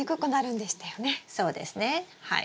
そうですねはい。